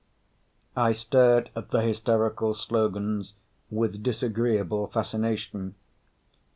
I stared at the hysterical slogans with disagreeable fascination.